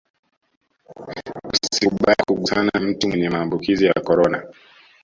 usikubali kugusana na mtu mwenye maambukizi ya korona